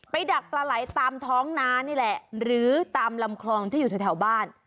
ดักปลาไหลตามท้องนานี่แหละหรือตามลำคลองที่อยู่แถวบ้าน